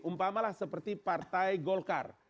umpamalah seperti partai golkar